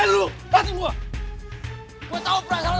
lo tau apaan sih lo